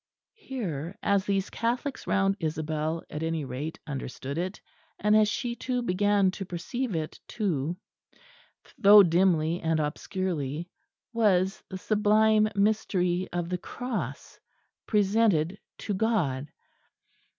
Here, as these Catholics round Isabel at any rate understood it, and as she too began to perceive it too, though dimly and obscurely, was the sublime mystery of the Cross presented to God.